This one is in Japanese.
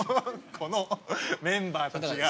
このメンバーたちが。